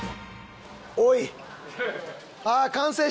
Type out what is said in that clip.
おい！